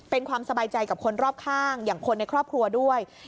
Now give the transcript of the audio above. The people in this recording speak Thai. เป็นความสบายใจกับคนรอบข้างอย่างคนในครอบครัวด้วย